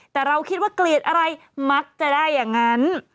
แต่เราคิดว่าเกลียดอะไรมักจะได้อย่างนั้น